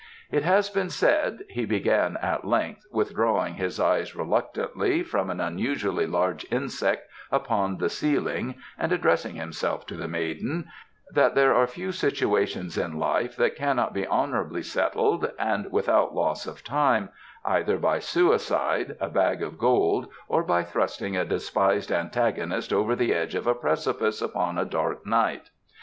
"It has been said," he began at length, withdrawing his eyes reluctantly from an unusually large insect upon the ceiling and addressing himself to the maiden, "that there are few situations in life that cannot be honourably settled, and without loss of time, either by suicide, a bag of gold, or by thrusting a despised antagonist over the edge of a precipice upon a dark night.